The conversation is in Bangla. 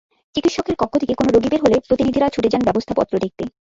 চিকিৎসকের কক্ষ থেকে কোনো রোগী বের হলে প্রতিনিধিরা ছুটে যান ব্যবস্থাপত্র দেখতে।